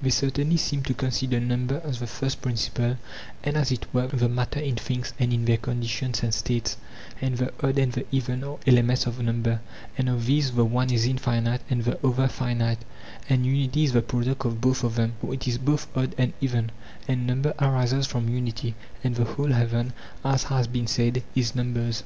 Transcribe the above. They certainly seem to consider number as the first principle and as it were the matter in things and in their conditions and states; and the odd and the even are elements of number, and of these the one is infinite and the other finite, and unity is the pro duct of both of them; for it is both odd and even, and number arises from unity, and the whole heaven, as has been said, is numbers.